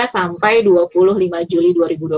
sampai dua puluh lima juli dua ribu dua puluh